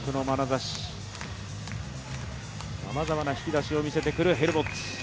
さまざまな引き出しを見せてくるヘルボッツ。